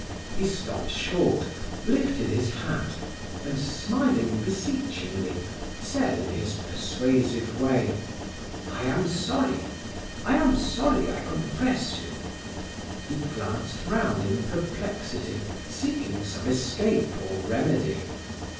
He stopped short, lifted his hat, and smiling beseechingly, said in his persuasive way: "I am sorry. I am sorry. I compress you!" He glanced round in perplexity, seeking some escape or remedy.